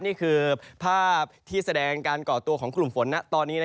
นี่คือภาพที่แสดงการก่อตัวของกลุ่มฝนตอนนี้